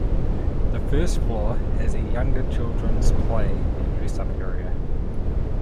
The first floor has a younger children's play and dress up area.